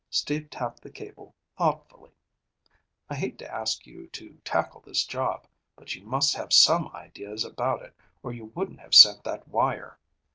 Steve tapped the cable thoughtfully. "I hate to ask you to tackle this job, but you must have some ideas about it or you wouldn't have sent that wire."